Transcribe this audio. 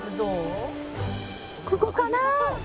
ここかな？